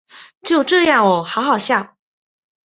就这样喔好好笑